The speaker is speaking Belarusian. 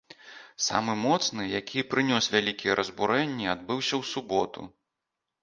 Самы моцны, які і прынёс вялікія разбурэнні, адбыўся ў суботу.